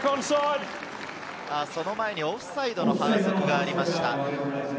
その前にオフサイドの反則がありました。